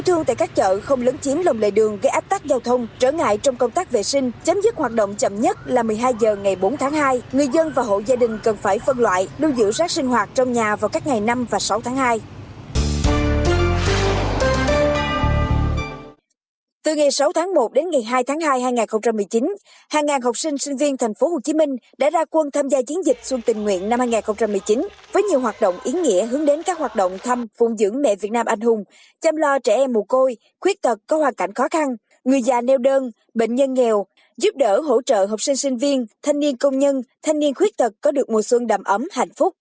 học sinh sinh viên thành phố hồ chí minh đã ra quân tham gia chiến dịch xuân tình nguyện năm hai nghìn một mươi chín với nhiều hoạt động yến nghĩa hướng đến các hoạt động thăm phụng dưỡng mẹ việt nam anh hùng chăm lo trẻ em mù côi khuyết tật có hoàn cảnh khó khăn người già nêu đơn bệnh nhân nghèo giúp đỡ hỗ trợ học sinh sinh viên thanh niên công nhân thanh niên khuyết tật có được mùa xuân đầm ấm hạnh phúc